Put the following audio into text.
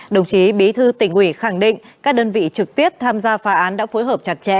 đồng chí bí thư tỉnh ủy khẳng định các đơn vị trực tiếp tham gia phá án đã phối hợp chặt chẽ